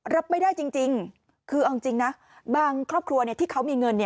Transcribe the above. รับไม่ได้จริงคือเอาจริงนะบางครอบครัวที่เขามีเงิน